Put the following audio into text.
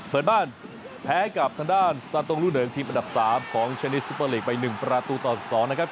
เปิดบ้านแพ้กับทางด้านสัตว์ตรงรุ่นหนึ่งทีมอันดับ๓ของชันนิสสุปริกไป๑ประตูตอน๒นะครับ